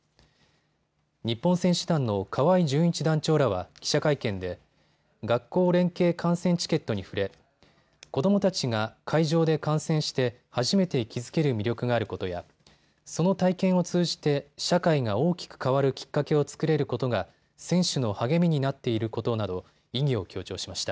日本選手団の河合純一団長らは記者会見で学校連携観戦チケットに触れ子どもたちが会場で観戦して初めて気付ける魅力があることやその体験を通じて社会が大きく変わるきっかけを作れることが選手の励みになっていることなど意義を強調しました。